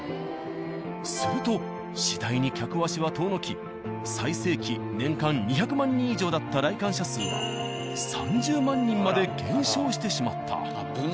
するとしだいに客足は遠のき最盛期年間２００万人以上だった来館者数は３０万人まで減少してしまった。